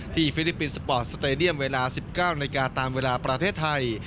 ฟิลิปปินส์สปอร์ตสเตดียมเวลา๑๙นาฬิกาตามเวลาประเทศไทย